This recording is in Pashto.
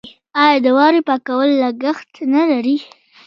آیا د واورې پاکول لګښت نلري؟